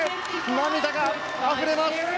涙があふれます。